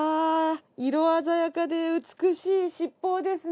色鮮やかで美しい七宝ですね。